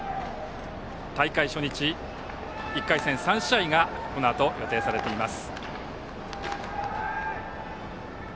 大会初日、１回戦３試合がこのあと、予定されています。